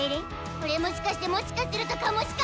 これもしかしてもしかするとかもしか！